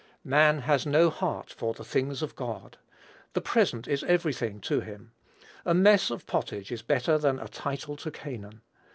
Man has no heart for the things of God. The present is every thing to him. A mess of pottage is better than a title to Canaan.